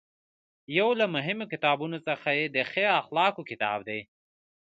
یو له مهمو کتابونو څخه یې د ښې اخلاقو کتاب دی.